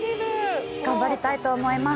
頑張りたいと思います。